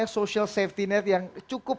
social safety net yang cukup